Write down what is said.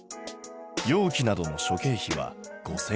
容器などの諸経費は５，０００円。